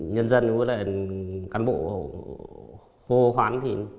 nhân dân với các cán bộ hô khoán